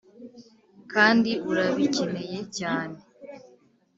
kandi urabikeneye cyane